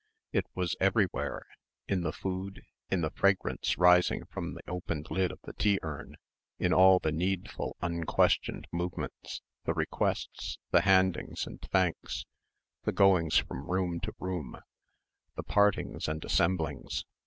It was everywhere, in the food, in the fragrance rising from the opened lid of the tea urn, in all the needful unquestioned movements, the requests, the handings and thanks, the going from room to room, the partings and assemblings.